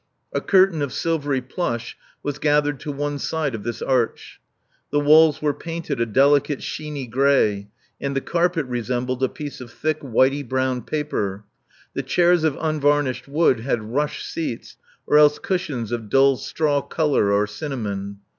A curtain of silvery plush was gathered to one side of this arch. The walls were painted a delicate sheeny grey; and the carpet resembled a piece of thick whitey brown paper. The chairs of unvarnished wood, had rush seats, or else cushions of dull straw color or cinnamon.